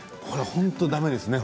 本当にだめですね